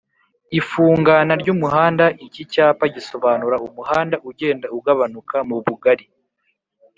Ifungana ry'umuhanda Iki cyapa gisobanura umuhanda ugenda ugabanuka mu bugari